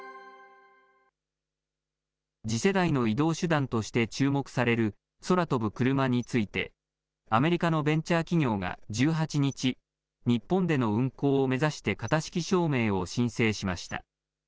次世代の移動手段として注目される空飛ぶクルマについて、アメリカのベンチャー企業が１８日、日本での運航を目指して型式証明を申請しました。